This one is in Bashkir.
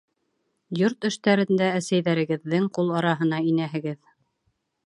Йорт эштәрендә әсәйҙәрегеҙҙең ҡул араһына инәһегеҙ.